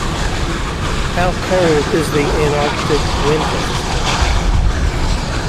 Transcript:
How cold is the Antarctic winter?